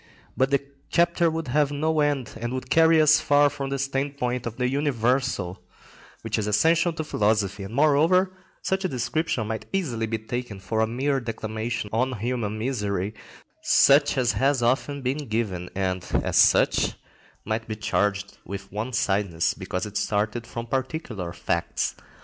But the chapter would have no end, and would carry us far from the standpoint of the universal, which is essential to philosophy; and, moreover, such a description might easily be taken for a mere declamation on human misery, such as has often been given, and, as such, might be charged with one sidedness, because it started from particular facts.